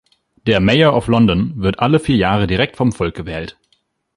Der Mayor of London wird alle vier Jahre direkt vom Volk gewählt.